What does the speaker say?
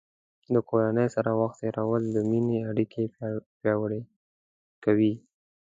د کورنۍ سره وخت تیرول د مینې اړیکې پیاوړې کوي.